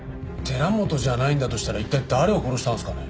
寺本じゃないんだとしたら一体誰を殺したんですかね？